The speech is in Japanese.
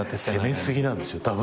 攻めすぎなんですよたぶんね。